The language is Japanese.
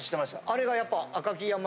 あれがやっぱ。